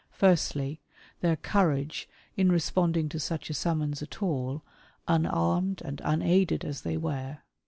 Firstly, their courage in responding to such a summons at all, unarmed and unaided as they were.